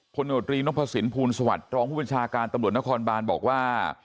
โนตรีนพสินภูลสวัสดิ์รองผู้บัญชาการตำรวจนครบานบอกว่า